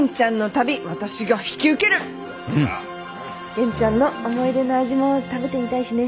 元ちゃんの思い出の味も食べてみたいしね。